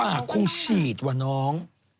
ปากคงฉีดว่ะน้อง